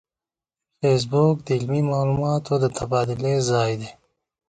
فېسبوک د علمي معلوماتو د تبادلې ځای دی